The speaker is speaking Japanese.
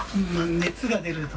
熱が出ると。